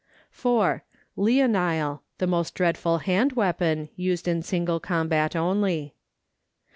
(4.) Leonile, the most dreadful hand weapon, used in single combat only.